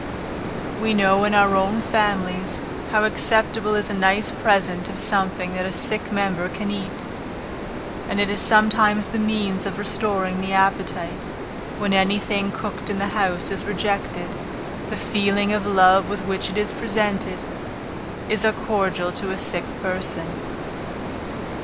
We know in our own families, how acceptable is a nice present of something that a sick member can eat; and it is sometimes the means of restoring the appetite, when any thing cooked in the house is rejected. The feeling of love with which it is presented, is as a cordial to a sick person.